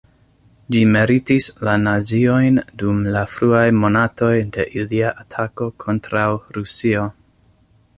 Ĝi meritis la naziojn dum la fruaj monatoj de ilia atako kontraŭ Rusio.